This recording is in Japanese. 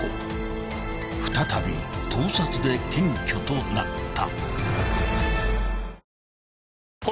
［再び盗撮で検挙となった］